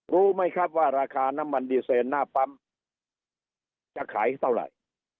รู้ไหมครับว่าราคาน้ำมันดีเซนหน้าปั๊มจะขายเท่าไหร่